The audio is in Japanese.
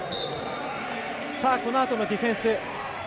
このあとのディフェンス。